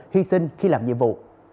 hy sinh khi làm nhiệm vụ